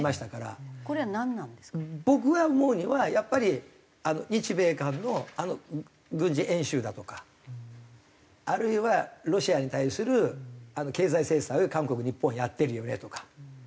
僕が思うにはやっぱり日米韓のあの軍事演習だとかあるいはロシアに対する経済制裁を韓国日本はやってるよねとか。